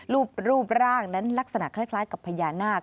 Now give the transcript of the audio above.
รูปร่างนั้นลักษณะคล้ายกับพญานาค